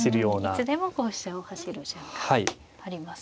いつでもこう飛車を走る順がありますね。